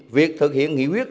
việc thực hiện nghị quyết